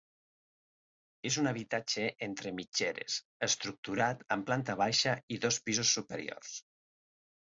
És un habitatge entre mitgeres, estructurat en planta baixa i dos pisos superiors.